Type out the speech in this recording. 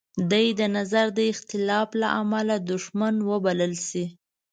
دی د نظر د اختلاف لامله دوښمن وبلل شي.